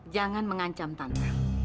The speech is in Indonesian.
jangan mengancam tante